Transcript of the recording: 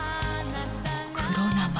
黒生！